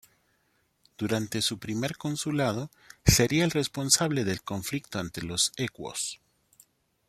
Durante su primer consulado sería el responsable del conflicto ante los ecuos.